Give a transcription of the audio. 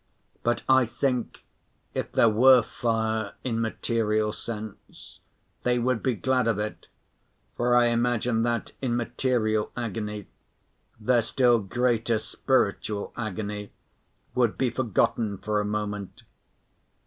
But I think if there were fire in material sense, they would be glad of it, for I imagine that in material agony, their still greater spiritual agony would be forgotten for a moment.